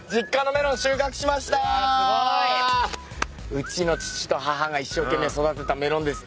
うちの父と母が一生懸命育てたメロンです。